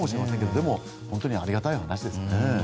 でも、本当にありがたい話ですよね。